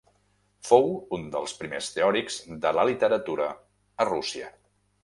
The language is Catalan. Fou un dels primers teòrics de la literatura a Rússia.